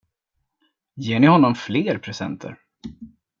Ger ni honom fler presenter?